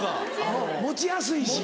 持ちやすいし。